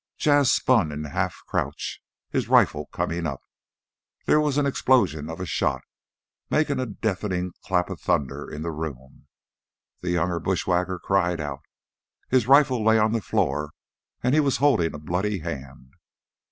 Jas' spun in a half crouch, his rifle coming up. There was the explosion of a shot, making a deafening clap of thunder in the room. The younger bushwhacker cried out. His rifle lay on the floor, and he was holding a bloody hand.